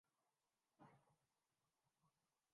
اس موضوع پہ بہت سی تجاویز بھی پیش کی جا چکی ہیں۔